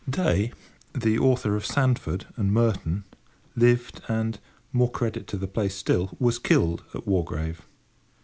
Day, the author of Sandford and Merton, lived and—more credit to the place still—was killed at Wargrave.